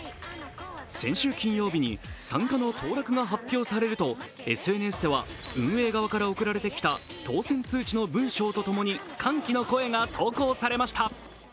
先週金曜日に参加の当落が発表されると、ＳＮＳでは運営側から送られてきた当選通知の文章とともに歓喜の声が投稿されました。